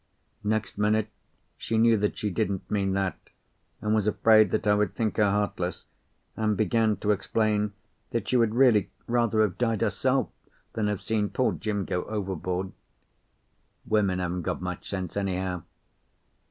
Next minute she knew that she didn't mean that, and was afraid that I would think her heartless, and began to explain that she would really rather have died herself than have seen poor Jim go overboard. Women haven't got much sense, anyhow.